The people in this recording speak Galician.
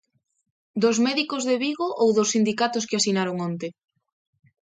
¿Dos médicos de Vigo ou dos sindicatos que asinaron onte?